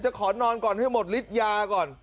จะขอนอนก่อนให้หมดลิตรยาก่อน